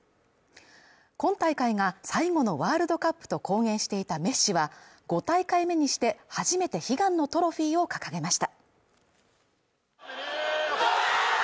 今大会が最後のワールドカップと公言していたメッシは５大会目にして初めて悲願のトロフィーを掲げました